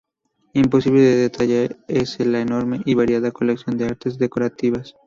Imposible de detallar es la enorme y variada colección de artes decorativas.